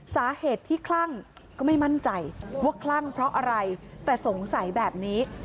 สาเหตุที่คลั่งก็ไม่มั่นใจว่าคลั่งเพราะอะไรแต่สงสัยแบบนี้